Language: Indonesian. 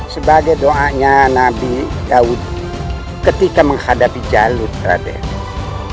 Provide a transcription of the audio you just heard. sebagai doanya nabi daud ketika menghadapi jalur raden